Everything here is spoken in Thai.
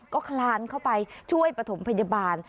ก็คลานเข้าไปช่วยประถมพยาบาล